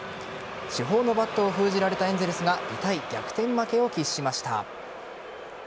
主砲のバットを封じられたエンゼルスが痛い逆転負けを喫しました。